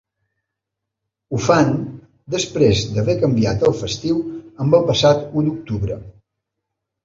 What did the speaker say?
Ho fan després d’haver canviat el festiu amb el passat u d’octubre.